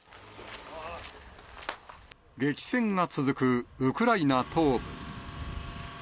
激戦が続くウクライナ東部。